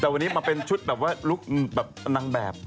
แต่ตอนนี้มาเป็นชุดแบบนางแบบ